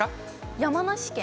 山梨県？